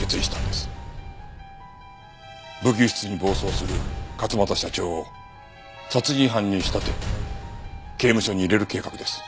武器輸出に暴走する勝又社長を殺人犯に仕立て刑務所に入れる計画です。